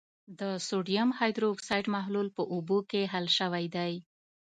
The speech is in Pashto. د سوډیم هایدروکسایډ محلول په اوبو کې حل شوی دی.